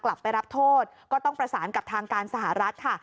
รับโทษก็ต้องประสานกับทางการสหรัฐค่ะ